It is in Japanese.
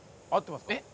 えっ？